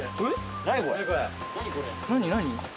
何何？